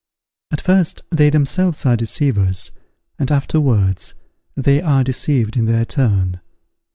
At first, they themselves are deceivers: and afterwards, they are deceived in their turn.